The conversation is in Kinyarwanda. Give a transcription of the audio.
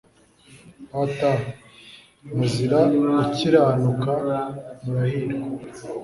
Pt muzira gukiranuka murahirwa